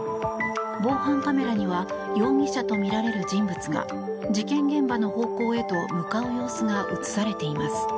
防犯カメラには容疑者とみられる人物が事件現場の方向へと向かう様子が映されています。